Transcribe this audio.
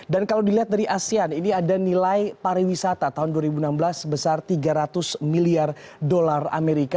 dan kalau dilihat dari asean ini ada nilai pariwisata tahun dua ribu enam belas sebesar tiga ratus miliar dolar amerika